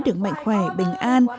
được mạnh khỏe bình an